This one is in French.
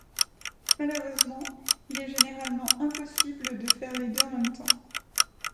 Malheureusement, il est généralement impossible de faire les deux en même temps.